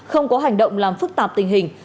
không có hành động làm phức tạp tình hình